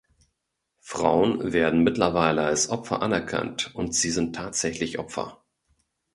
Frauen werden mittlerweile als Opfer anerkannt, und sie sind tatsächlich Opfer.